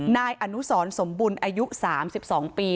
นายอนุสรสมบุลอายุสามสิบสองปี